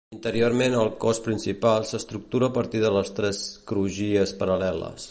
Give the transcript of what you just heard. Interiorment el cos principal s'estructura a partir de tres crugies paral·leles.